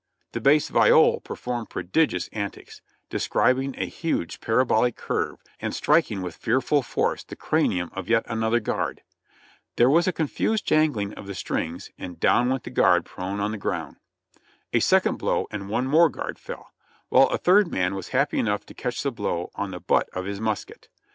The bass viol performed prodigious antics, describing a huge parabolic curve, and striking with fearful force the cranium of yet another guard; there was a confused jangling of the strings and down went the guard prone on the ground; a second blow and one more guard fell, while a third man was happy enough to catch the blow on the butt of his musket.